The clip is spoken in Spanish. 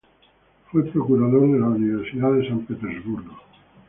Fue procurador de la Universidad de San petersburgo.